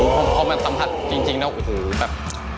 พอมาตำพัดจริงแล้วโอ้โฮแบบ